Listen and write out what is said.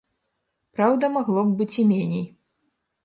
Праўда, магло б быць і меней.